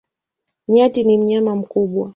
Nyati ni mnyama mkubwa.